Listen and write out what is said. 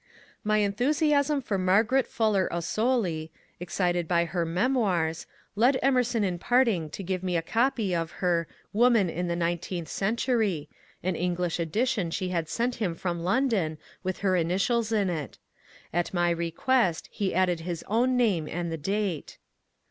My enthusiasm for Margaret Fuller Ossoli, excited by her " Memoirs,'* led Emerson in parting to give me a copy of her ^' Woman in the Nineteenth Century," — an English edi tion she had sent him from London, with her initials in it* At my request he added his own name and the date.